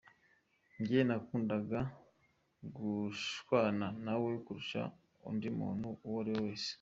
Njye nakundaga gushwana nawe kurusha undi muntu uwo ariwe wese.